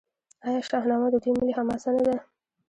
آیا شاهنامه د دوی ملي حماسه نه ده؟